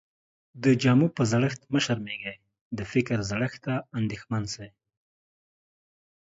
د جامو په زړښت مه شرمېږٸ، د فکر زړښت ته انديښمن سې.